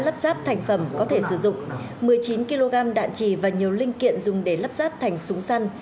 các thành phẩm có thể sử dụng một mươi chín kg đạn chỉ và nhiều linh kiện dùng để lắp sát thành súng săn